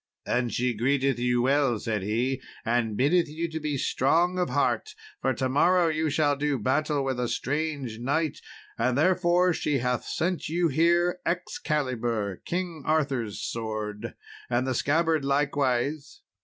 "And she greeteth you well," said he, "and biddeth you be strong of heart, for to morrow you shall do battle with a strange knight, and therefore she hath sent you here Excalibur, King Arthur's sword, and the scabbard likewise.